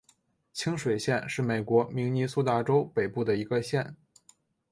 清水县是美国明尼苏达州北部的一个县。